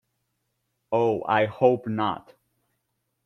Oh, I hope not.